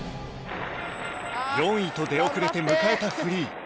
４位と出遅れて迎えたフリー